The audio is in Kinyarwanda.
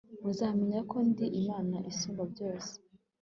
muzamenya ko ndi imana isumba byose